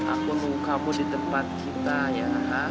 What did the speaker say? aku nunggu kamu di tempat kita ya